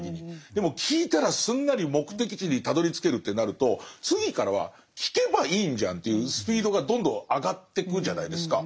でも聞いたらすんなり目的地にたどりつけるってなると次からは聞けばいいんじゃんっていうスピードがどんどん上がってくじゃないですか。